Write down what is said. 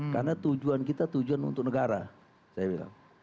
karena tujuan kita tujuan untuk negara saya bilang